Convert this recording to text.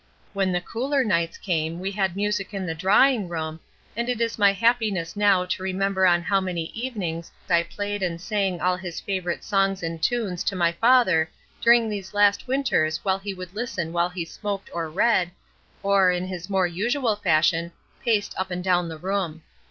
When the cooler nights came we had music in the drawing room, and it is my happiness now to remember on how many evenings I played and sang all his favorite songs and tunes to my father during these last winters while he would listen while he smoked or read, or, in his more usual fashion, paced up and down the room.